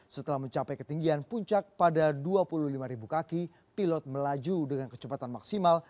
setelah mencapai ketinggian puncak pada dua puluh lima kaki pilot melaju dengan kecepatan maksimal